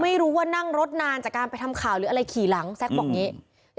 ไม่รู้ว่านั่งรถนานจากการไปทำข่าวหรืออะไรขี่หลังแซ็กบอกอย่างนี้